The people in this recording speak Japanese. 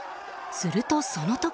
すると、その時。